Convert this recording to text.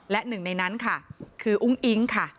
และหนึ่งในนั้นค่ะคืออุ้งอิ๊งค่ะ